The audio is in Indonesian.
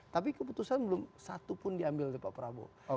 tapi keputusan belum satu pun diambil oleh pak prabowo